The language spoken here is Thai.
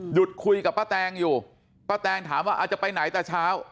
คุยกับป้าแตงอยู่ป้าแตงถามว่าอาจจะไปไหนแต่เช้า